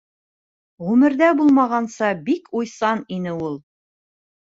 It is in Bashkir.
Ғүмерҙә булмағанса бик уйсан ине ул.